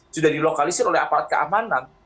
sudah dilokalisir oleh aparat keamanan